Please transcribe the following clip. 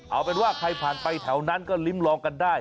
เอาเป็นว่าใครผ่านไปแถวนั้นก็ลิ้มลองกันได้